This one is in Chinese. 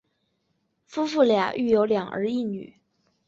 夫妇俩育有两儿一女。